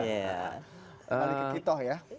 balik ke kita ya